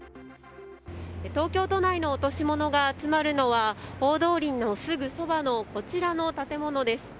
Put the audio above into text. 東京都内の落とし物が集まるのは大通りのすぐそばのこちらの建物です。